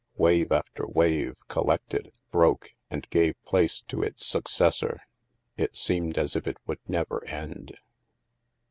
Wave after wave collected, broke, and gave place to its successor. It seemed as if it would never end.